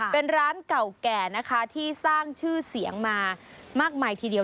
เป็นร้านเก่าแก่นะคะที่สร้างชื่อเสียงมามากมายทีเดียว